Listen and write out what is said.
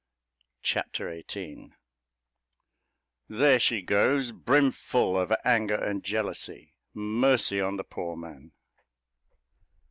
Chapter XVIII There she goes, brimful of anger and jealousy. Mercy on the poor man!